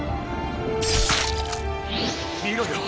見ろよ！